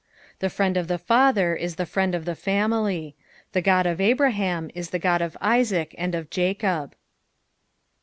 The friend of the father is the friend of the family. The God of Abraham is the Qod of Isaac and of Jacob.